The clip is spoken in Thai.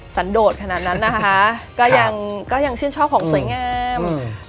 สันโดดขนาดนั้นนะคะก็ยังก็ยังชื่นชอบของสวยงามอืม